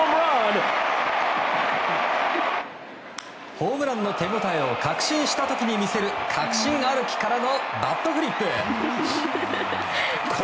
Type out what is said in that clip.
ホームランの手応えを確信した時に見せる確信歩きからのバットフリップ。